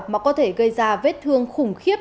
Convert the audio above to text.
mà có thể gây ra vết thương khủng khiếp